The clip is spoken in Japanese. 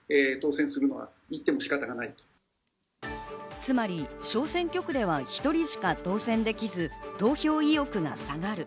つまり、小選挙区では１人しか当選できず投票意欲が下がる。